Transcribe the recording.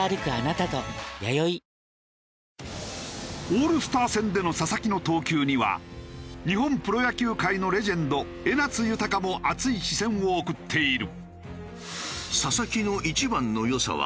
オールスター戦での佐々木の投球には日本プロ野球界のレジェンド江夏豊も熱い視線を送っている。